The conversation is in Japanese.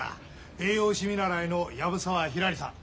栄養士見習いの藪沢ひらりさん。